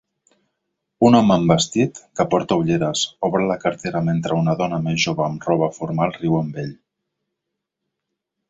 Un home amb vestit, que porta ulleres, obre la cartera mentre una dona més jove amb roba formal riu amb ell